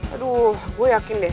aduh gue yakin deh